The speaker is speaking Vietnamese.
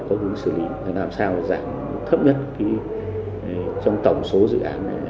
có hướng xử lý làm sao giảm thấp nhất trong tổng số dự án này